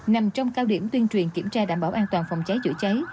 nằm trong cao điểm tuyên truyền kiểm tra đảm bảo an toàn phòng cháy chữa cháy